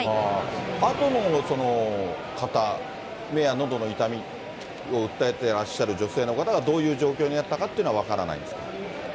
あとの方、目やのどの痛みを訴えてらっしゃる女性の方がどういう状況にあったかというのは分からないんですか。